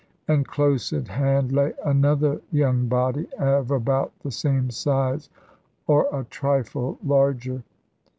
And close at hand lay another young body, of about the same size, or a trifle larger.